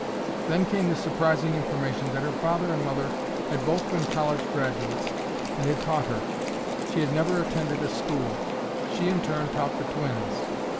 Then came the surprising information that her father and mother had both been college graduates and had taught her. She had never attended a school. She in turn taught the twins.